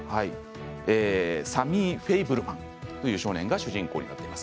サミー・フェイブルマンという少年が主人公です。